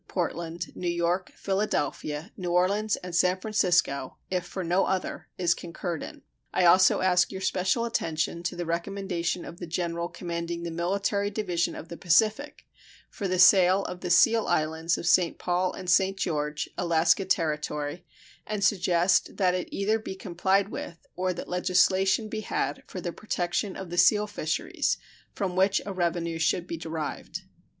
Portland, New York, Philadelphia, New Orleans, and San Francisco, if for no other, is concurred in. I also ask your special attention to the recommendation of the general commanding the Military Division of the Pacific for the sale of the seal islands of St. Paul and St. George, Alaska Territory, and suggest that it either be complied with or that legislation be had for the protection of the seal fisheries from which a revenue should be derived.